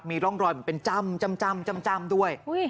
มีร่องรอยแบบเป็นจำจำจำจำจำจำด้วย